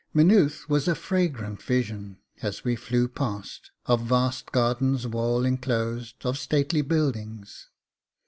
Maynooth was a fragrant vision as we flew past, of vast gardens wall enclosed, of stately buildings.